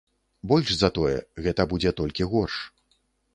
Больш за тое, гэта будзе толькі горш.